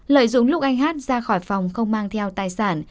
lợi dụng lúc anh hát ra khỏi phòng không mang theo tài sản